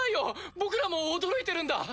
僕らも驚いてるんだ。